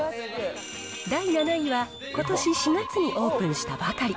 第７位はことし４月にオープンしたばかり。